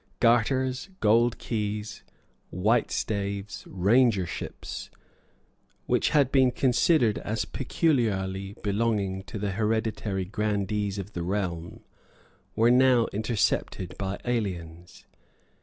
Garters, gold keys, white staves, rangerships, which had been considered as peculiarly belonging to the hereditary grandees of the realm, were now intercepted by aliens.